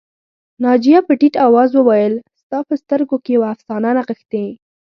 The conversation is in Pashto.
ناجیه په ټيټ آواز وویل ستا په سترګو کې یوه افسانه نغښتې